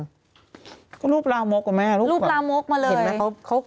ก็รูปลาวมกกว่าแม่รูปแววมกกว่ารูปลาวมกมาเลย